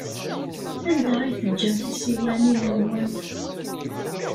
Anda ay teǧǧam tisiwanin-nwen?